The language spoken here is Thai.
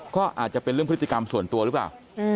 ก็อาจจะเป็นเรื่องพฤติกรรมส่วนตัวหรือเปล่า